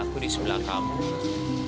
aku bisa melihat kamu mau apa andre